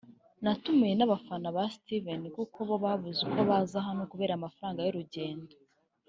“Natumiwe n’abafana ba Steven(Kanumba) kuko bo babuze uko baza hano kubera amafaranga y’urugendo